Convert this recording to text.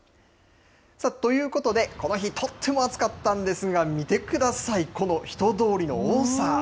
ということで、この日、とっても暑かったんですが、見てください、この人通りの多さ。